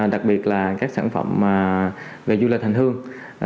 đặc biệt là các sản phẩm về du lịch hành hương